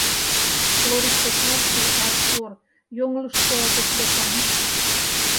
Хлористый кальций раствор йоҥылыш пуалтеш докан...